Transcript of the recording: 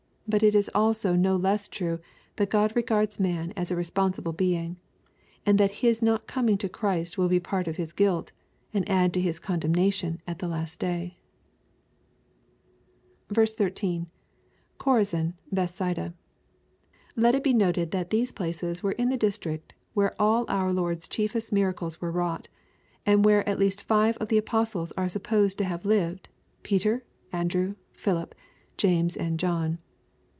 But it is also no less true that God re gards man as a responsible being, and that his not coming to Christ will be part of his guilt, and add to his condemnation at the last day. 13. — [Choradn, — Beihsaida.] Let it be noted that these places were in the district where all our Lord's chiefest miracles were wrought; and where at least five of the apostles are supposed to have lived, Peter, Andrew, Philip, James, and John.